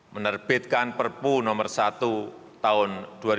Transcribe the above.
menerbitkan perpu nomor satu tahun dua ribu dua puluh